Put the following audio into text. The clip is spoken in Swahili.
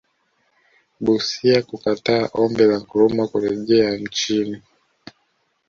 Busia kukataa Ombi la Nkrumah kurejea nchini